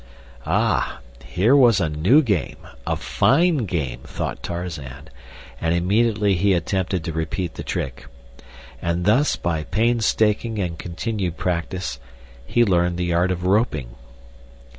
Ah, here was a new game, a fine game, thought Tarzan, and immediately he attempted to repeat the trick. And thus, by painstaking and continued practice, he learned the art of roping.